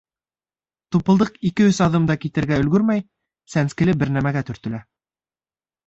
Тупылдыҡ ике-өс аҙым да китергә өлгөрмәй, сәнскеле бер нәмәгә төртөлә.